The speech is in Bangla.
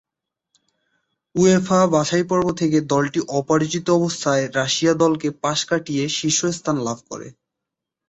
উয়েফা বাছাইপর্ব থেকে দলটি অপরাজিত অবস্থায় রাশিয়া দলকে পাশ কাটিয়ে শীর্ষস্থান লাভ করে।